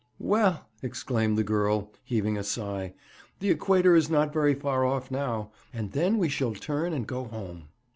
'Well,' exclaimed the girl, heaving a sigh, 'the Equator is not very far off now, and then we shall turn and go home.'